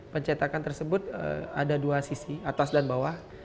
pencetakan tersebut ada dua sisi atas dan bawah